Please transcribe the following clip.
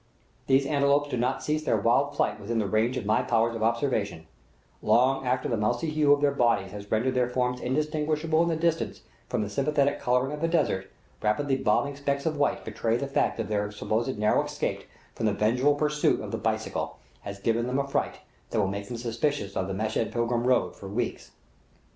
These antelopes do not cease their wild flight within the range of my powers of observation; long after the mousy hue of their bodies has rendered their forms indistinguishable in the distance from the sympathetic coloring of the desert, rapidly bobbing specks of white betray the fact that their supposed narrow escape from the vengeful pursuit of the bicycle has given them a fright that will make them suspicious of the Meshed pilgrim road for weeks.